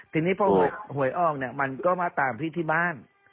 ทีนี้พอหวยออกเนี่ยมันก็มาตามพี่ที่บ้าน